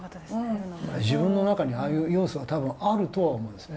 自分の中にああいう要素は多分あるとは思いますね。